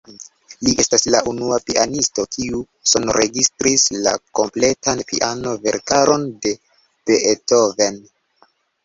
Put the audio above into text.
Li estas la unua pianisto, kiu sonregistris la kompletan piano-verkaron de Beethoven.